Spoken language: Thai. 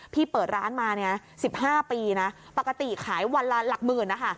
พี่เปิดร้านมา๑๕ปีปกติขายวันละหลักหมื่น